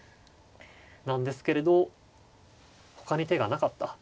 なんですけれどほかに手がなかった。